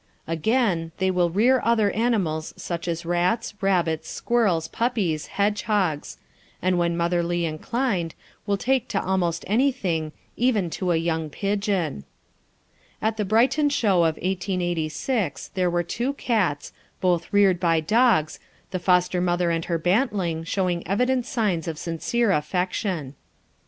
Again, they will rear other animals such as rats, rabbits, squirrels, puppies, hedgehogs; and, when motherly inclined, will take to almost anything, even to a young pigeon. At the Brighton Show of 1886 there were two cats, both reared by dogs, the foster mother and her bantling showing evident signs of sincere affection.